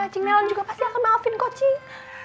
cik nelan juga pasti akan maafin kok cik